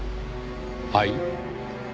はい？